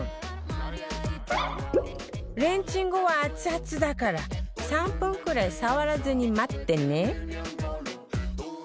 レンチン後はアツアツだから３分くらい触らずに待ってね